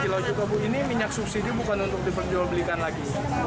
lima kilo juga bu ini minyak subsidi bukan untuk diperjualbelikan lagi